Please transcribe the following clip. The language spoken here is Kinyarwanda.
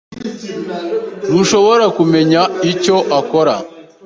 Ntushobora kumenya icyo akora?